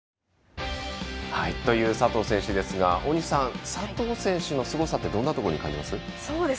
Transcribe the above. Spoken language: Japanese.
という佐藤選手ですが大西さん、佐藤選手のすごさってどんなところに感じます？